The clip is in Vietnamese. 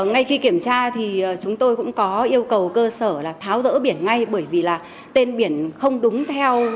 ngay khi kiểm tra thì chúng tôi cũng có yêu cầu cơ sở là tháo rỡ biển ngay bởi vì là tên biển không đúng theo